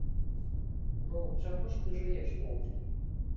Ну, чаго ж ты жуеш моўчкі?!